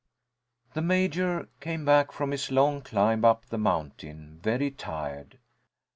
The Major came back from his long climb up the mountain, very tired.